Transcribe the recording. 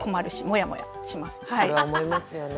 それは思いますよね